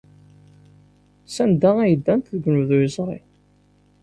Sanda ay ddant deg unebdu yezrin?